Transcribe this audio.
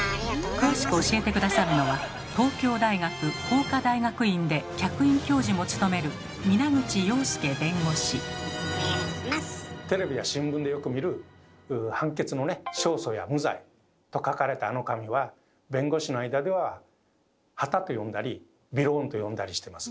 詳しく教えて下さるのはテレビや新聞でよく見る判決のね「勝訴」や「無罪」と書かれたあの紙は弁護士の間では「はた」と呼んだり「びろーん」と呼んだりしてます。